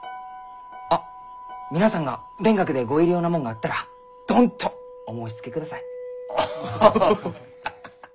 あっ皆さんが勉学でご入り用なもんがあったらどんとお申しつけください。